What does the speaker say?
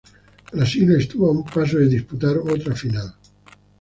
Brasil estuvo a un paso de disputar otra final.